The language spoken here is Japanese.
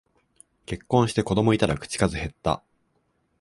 結婚して子供いたら口数へった